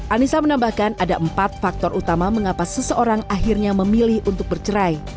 anissa menambahkan ada empat faktor utama mengapa seseorang akhirnya memilih untuk bercerai